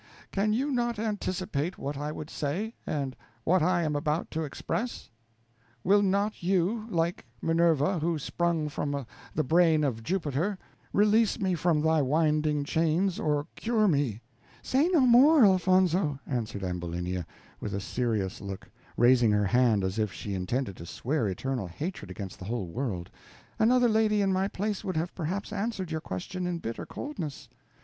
Can you not anticipate what I would say, and what I am about to express? Will not you, like Minerva, who sprung from the brain of Jupiter, release me from thy winding chains or cure me " "Say no more, Elfonzo," answered Ambulinia, with a serious look, raising her hand as if she intended to swear eternal hatred against the whole world; "another lady in my place would have perhaps answered your question in bitter coldness.